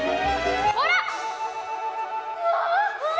ほら！